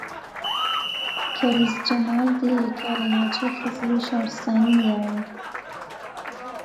کەریز جەماڵ دێیەکە لە ناوچەی خزڵی شارستانی نیاوەن